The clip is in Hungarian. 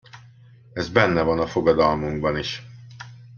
Ez benne van a fogadalmunkban is.